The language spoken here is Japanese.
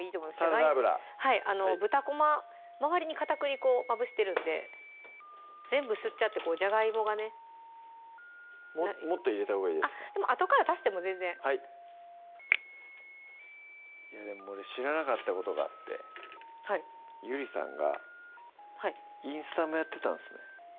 サラダ油はい豚こま周りに片栗粉まぶしてるんで全部吸っちゃってじゃがいもがねもっと入れたほうがいいですかあとから足しても全然はいいやでも俺知らなかったことがあってゆりさんがインスタもやってたんですね